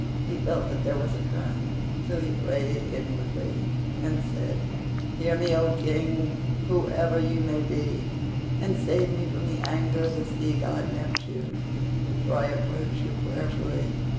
He felt that there was a current, so he prayed inwardly and said: "Hear me, O King, whoever you may be, and save me from the anger of the sea god Neptune, for I approach you prayerfully.